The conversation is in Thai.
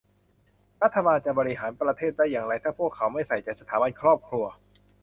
รัฐบาลจะบริหารประเทศได้อย่างไรถ้าพวกเขาไม่ใส่ใจสถาบันครอบครัว